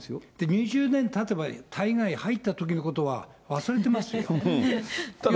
２０年たてば大概、入ったときのことは忘れてますよ。